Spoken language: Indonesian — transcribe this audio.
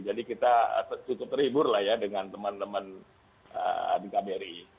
jadi kita cukup terhibur lah ya dengan teman teman di kbri